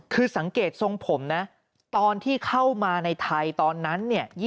คือสังเกตทรงผมนะตอนที่เข้ามาในไทยตอนนั้นเนี่ย